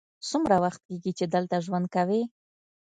څومره وخت کیږی چې دلته ژوند کوې؟